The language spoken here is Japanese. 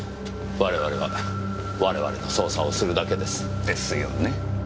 我々は我々の捜査をするだけです。ですよね。